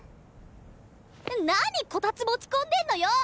なにこたつ持ち込んでんのよ！